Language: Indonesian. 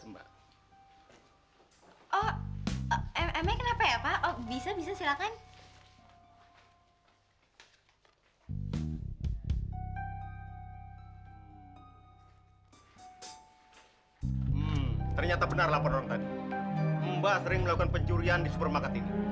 bawa aja pak bawa aja pak